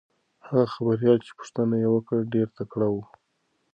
هغه خبریاله چې پوښتنه یې وکړه ډېره تکړه وه.